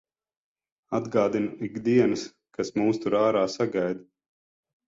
Atgādina ik dienas, kas mūs tur ārā sagaida.